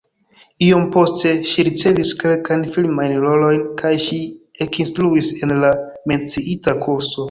Iom poste ŝi ricevis kelkajn filmajn rolojn kaj ŝi ekinstruis en la menciita kurso.